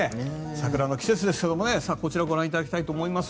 桜の季節ですが、こちらご覧いただきたいと思います。